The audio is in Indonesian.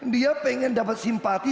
dia ingin mendapatkan simpati